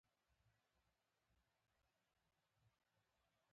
جنرال ستولیتوف د کنفرانس په جریان کې حرکت کړی وو.